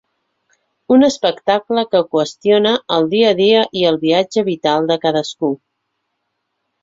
Un espectacle que qüestiona el dia a dia i el viatge vital de cadascú.